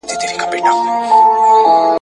د ځوانانو د څېړنې لپاره اړتیا سته.